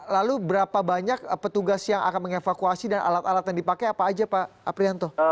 lalu berapa banyak petugas yang akan mengevakuasi dan alat alat yang dipakai apa aja pak aprianto